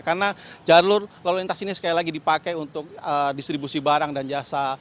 karena jalur lalu lintas ini sekali lagi dipakai untuk distribusi barang dan jasa